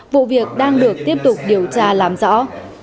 vụ việc đang được tiếp tục điều tra làm rõ